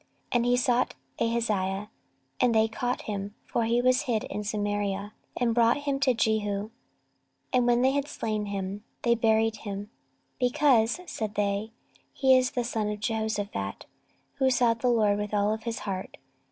14:022:009 And he sought Ahaziah: and they caught him, (for he was hid in Samaria,) and brought him to Jehu: and when they had slain him, they buried him: Because, said they, he is the son of Jehoshaphat, who sought the LORD with all his heart.